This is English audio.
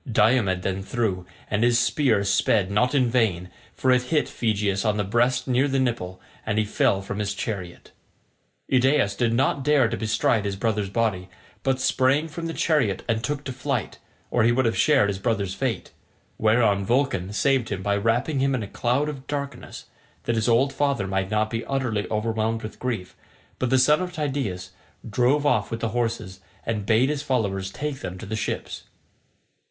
Diomed then threw, and his spear sped not in vain, for it hit Phegeus on the breast near the nipple, and he fell from his chariot. Idaeus did not dare to bestride his brother's body, but sprang from the chariot and took to flight, or he would have shared his brother's fate; whereon Vulcan saved him by wrapping him in a cloud of darkness, that his old father might not be utterly overwhelmed with grief; but the son of Tydeus drove off with the horses, and bade his followers take them to the ships.